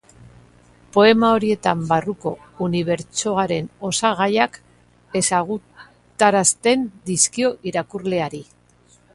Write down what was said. Poema horietan barruko unibertsoaren osagaiak ezagutarazten dizkio irakurleari.